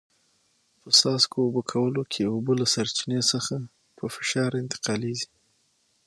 په څاڅکو اوبه کولو کې اوبه له سرچینې څخه په فشار انتقالېږي.